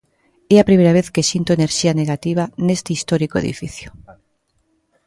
É a primeira vez que sinto enerxía negativa neste histórico edificio.